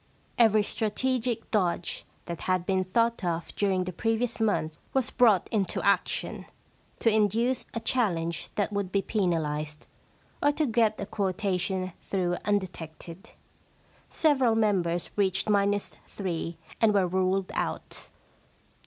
Every strategic dodge that had been thought of during the previous month was brought into action, to induce a challenge that would be penalised, or to get a quotation through undetected. Several members reached minus three, and were ruled out.